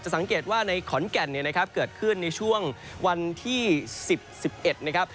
สังเกตว่าในขอนแก่นเนี่ยนะครับเกิดขึ้นในช่วงวันที่๑๐๑๑นะครับ